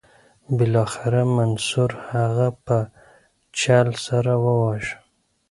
بالاخره منصور هغه په چل سره وواژه.